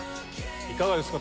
いかがですか？